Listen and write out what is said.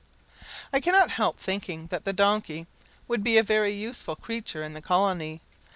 I cannot help thinking, that the donkey would be a very useful creature in the colony.